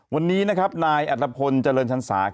วันนี้นะครับนายนายแอดรพลเจริญชมศา